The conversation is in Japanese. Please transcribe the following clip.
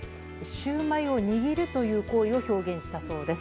シューマイを握るという行為を表現したそうです。